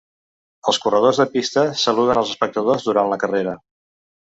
Els corredors de pista saluden als espectadors durant la carrera.